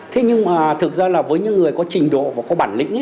thế nhưng mà thực ra là với những người có trình độ và có bản lĩnh